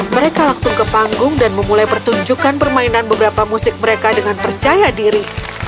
mereka langsung ke panggung dan memulai pertunjukan permainan beberapa musik mereka dengan percaya diri